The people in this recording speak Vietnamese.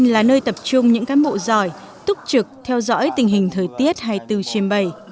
là nơi tập trung những cán bộ giỏi túc trực theo dõi tình hình thời tiết hai mươi bốn trên bảy